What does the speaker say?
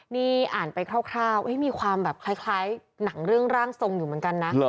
นี่อ่านไปคร่าวมีความแบบคล้ายหนังเรื่องร่างทรงอยู่เหมือนกันนะ